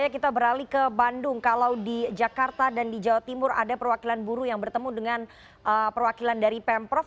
kita beralih ke bandung kalau di jakarta dan di jawa timur ada perwakilan buruh yang bertemu dengan perwakilan dari pemprov